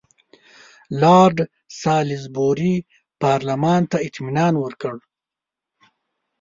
لارډ سالیزبوري پارلمان ته اطمینان ورکړ.